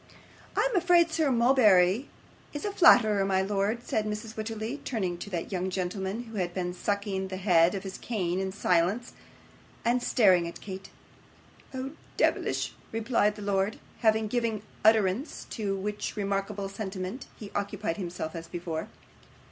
'I am afraid Sir Mulberry is a flatterer, my lord,' said Mrs. Wititterly, turning to that young gentleman, who had been sucking the head of his cane in silence, and staring at Kate. 'Oh, deyvlish!' replied Verisopht. Having given utterance to which remarkable sentiment, he occupied himself as before.